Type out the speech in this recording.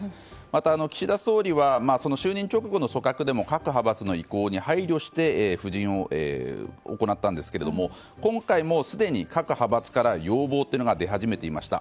また、岸田総理は就任直後の組閣でも各派閥の意向に配慮して布陣を行ったんですが今回もすでに各派閥から要望が出始めていました。